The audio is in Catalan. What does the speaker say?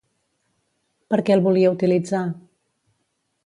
Per què el volia utilitzar?